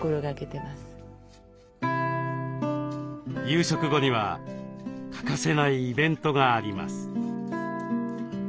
夕食後には欠かせないイベントがあります。